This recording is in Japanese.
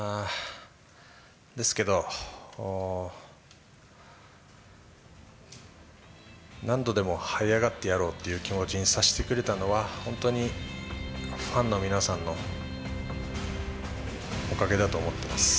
ですけど、何度でもはい上がってやろうっていう気持ちにさせてくれたのは、本当にファンの皆さんのおかげだと思ってます。